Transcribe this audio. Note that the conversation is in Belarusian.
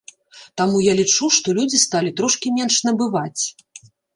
Таму я лічу, што людзі сталі трошкі менш набываць.